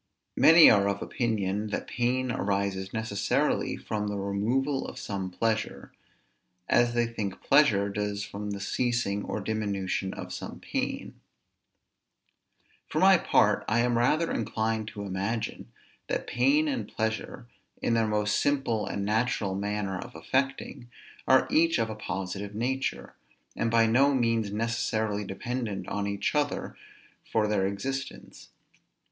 Many are of opinion, that pain arises necessarily from the removal of some pleasure; as they think pleasure does from the ceasing or diminution of some pain. For my part, I am rather inclined to imagine, that pain and pleasure, in their most simple and natural manner of affecting, are each of a positive nature, and by no means necessarily dependent on each other for their existence.